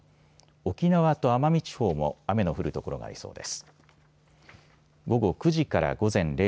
沖縄と奄美地方も雨の降る所がありそうです。